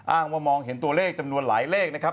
อ้างว่ามองเห็นตัวเลขจำนวนหลายเลขนะครับ